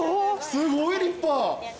すごい立派。